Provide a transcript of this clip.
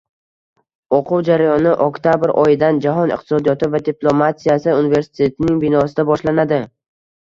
O‘quv jarayoni oktabr oyidan Jahon iqtisodiyoti va diplomatiyasi universitetining binosida boshlanadi